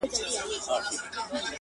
راپاروې راپسې څلـــــــــه بلا